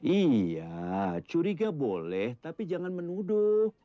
iya curiga boleh tapi jangan menuduh